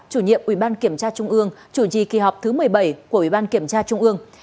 chủ nhiệm ủy ban kiểm tra trung ương chủ trì kỳ họp thứ một mươi bảy của ủy ban kiểm tra trung ương